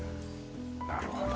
なるほど。